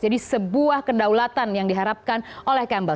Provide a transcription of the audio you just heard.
jadi sebuah kedaulatan yang diharapkan oleh campbell